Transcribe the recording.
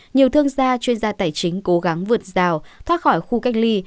nhiều thương gia chuyên gia tài chính cố gắng vượt rào thoát khỏi khu cách ly